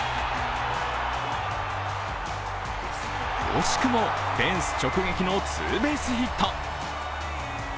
惜しくもフェンス直撃のツーベースヒット。